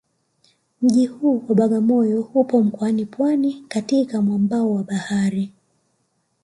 Mji huu wa Bagamoyo upo mkoani Pwani katika mwambao wa bahari